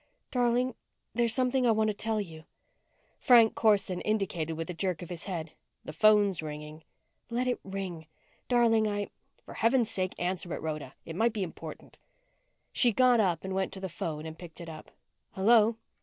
"Darling there's something I want to tell you " Frank Corson indicated with a jerk of his head. "The phone's ringing." "Let it ring. Darling, I " "For heaven's sake, answer it, Rhoda. It might be important." She got up, went to the phone and picked it up. "Hello."